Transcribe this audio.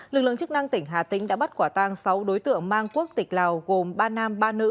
lực lượng chức năng tỉnh hà tĩnh đã bắt quả tang sáu đối tượng mang quốc tịch lào gồm ba nam ba nữ